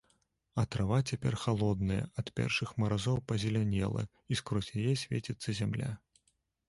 А трава цяпер халодная, ад першых марозаў пазелянела, і скрозь яе свеціцца зямля.